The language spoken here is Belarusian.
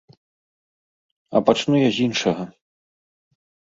А пачну я з іншага.